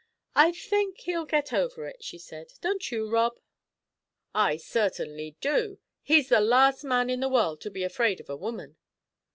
"I think he'll get over it," she said; "don't you, Rob?" "I certainly do. He's the last man in the world to be afraid of a woman."